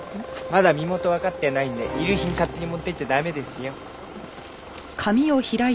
まだ身元わかってないんで遺留品勝手に持ってっちゃ駄目ですよ。